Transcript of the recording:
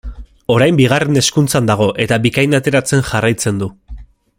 Orain Bigarren Hezkuntzan dago eta Bikain ateratzen jarraitzen du.